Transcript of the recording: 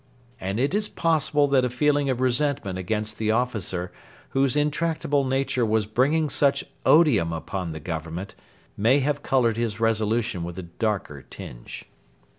And it is possible that a feeling of resentment against the officer whose intractable nature was bringing such odium upon the Government may have coloured his resolution with a darker tinge.